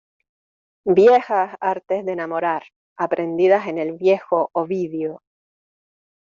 ¡ viejas artes de enamorar, aprendidas en el viejo Ovidio!